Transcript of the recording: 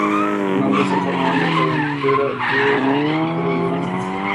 Fernando se formó en la cantera de la Cultural Durango.